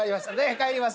帰ります。